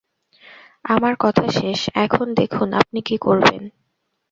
আমার কথা শেষ, এখন দেখুন আপনি কি করবেন।